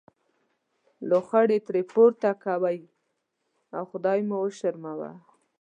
لوخړې ترې پورته کوئ او خدای مو وشرموه.